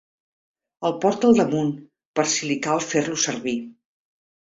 El porta al damunt, per si li cal fer-lo servir.